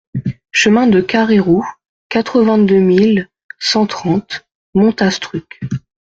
Chemin de Carrayrou, quatre-vingt-deux mille cent trente Montastruc